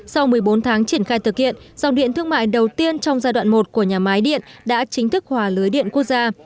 sau một mươi bốn tháng triển khai thực hiện dòng điện thương mại đầu tiên trong giai đoạn một của nhà máy điện đã chính thức hòa lưới điện quốc gia